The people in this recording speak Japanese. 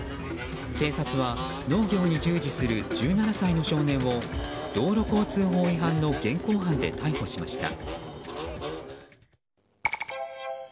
警察は農業に従事する１７歳の少年を道路交通法違反の現行犯で逮捕しました。